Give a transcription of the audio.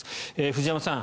藤山さん